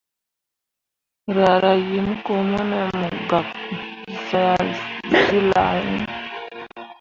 Raara him ko mone mu gak zilah iŋ.